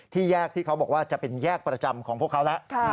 แยกที่เขาบอกว่าจะเป็นแยกประจำของพวกเขาแล้ว